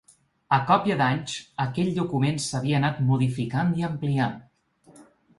A còpia d’anys, aquell document s’havia anat modificant i ampliant.